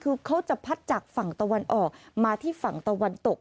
คือเขาจะพัดจากฝั่งตะวันออกมาที่ฝั่งตะวันตก